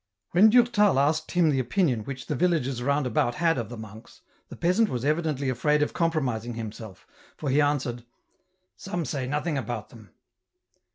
When Durtal asked him the opinion which the villagers round about had of the monks, the peasant was evidently afraid of compromising himself, for he answered, " Some say nothing about them."